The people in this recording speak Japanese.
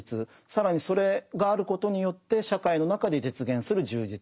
更にそれがあることによって社会の中で実現する充実